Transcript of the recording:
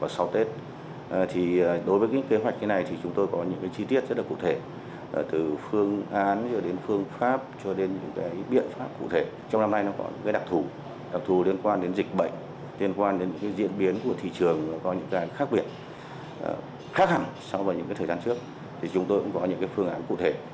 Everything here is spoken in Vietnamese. sau những thời gian trước chúng tôi cũng có những phương án cụ thể